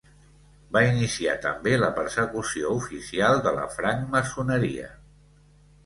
Va iniciar també la persecució oficial de la francmaçoneria.